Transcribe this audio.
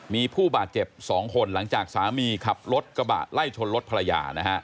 มีผู้บาดเจ็บ๒คนหลังจากสามีขับรถกระบะไล่ชนรถภรรยานะฮะ